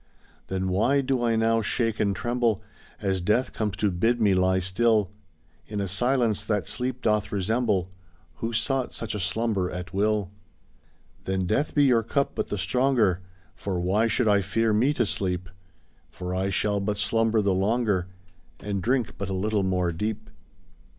Then why do I now shake and tremble As death comes to bid me lie still, In a silence that sleep doth resemble Who sought such a slumber at will? Then death be your cup but the stronger, For why should I fear me to sleep? For I shall but slumber the longer And drink but a little more deep.